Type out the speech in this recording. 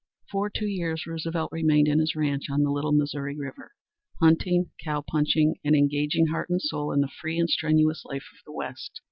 For two years Roosevelt remained in his ranch on the Little Missouri River, hunting, cow punching and engaging, heart and soul, in the free and strenuous life of the West.